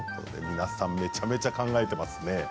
皆さんめちゃくちゃ考えていますね。